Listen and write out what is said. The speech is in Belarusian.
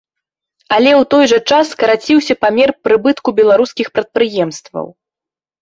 Але ў той жа час скараціўся памер прыбытку беларускіх прадпрыемстваў.